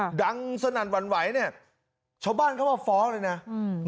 ดังสนั่นหวั่นไหวเนี่ยชาวบ้านเข้ามาฟ้องเลยนะอืม